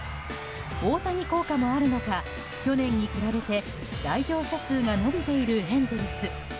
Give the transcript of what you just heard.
大谷効果もあるのか去年に比べて来場者数が伸びているエンゼルス。